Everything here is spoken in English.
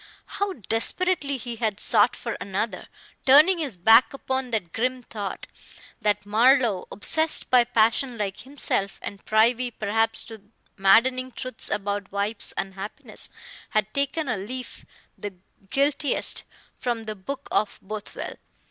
How desperately he had sought for another, turning his back upon that grim thought, that Marlowe obsessed by passion like himself, and privy perhaps to maddening truths about the wife's unhappiness had taken a leaf, the guiltiest, from the book of Bothwell.